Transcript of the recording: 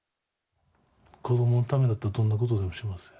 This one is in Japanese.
子どものためだったらどんなことでもしますよ。